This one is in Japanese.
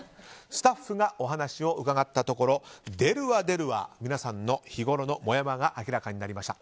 スタッフがお話を伺ったところ出るわ出るわ皆さんの日ごろのもやもやが明らかになりました。